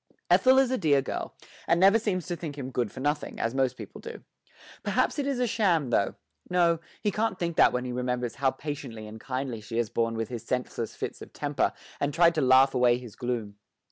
Ethel is a dear girl, and never seems to think him good for nothing, as most people do. Perhaps it is sham though no, he can't think that when he remembers how patiently and kindly she has borne with his senseless fits of temper and tried to laugh away his gloom.